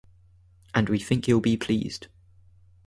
And we think you'll be pleased.